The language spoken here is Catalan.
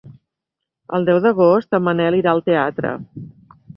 El deu d'agost en Manel irà al teatre.